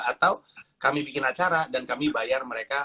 atau kami bikin acara dan kami bayar mereka